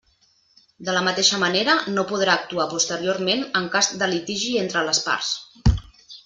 De la mateixa manera, no podrà actuar posteriorment en cas de litigi entre les parts.